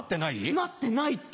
なってないって。